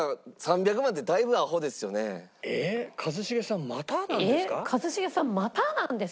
一茂さんまたなんですか？